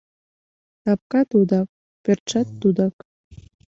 Капка тудак, пӧртшат тудак...»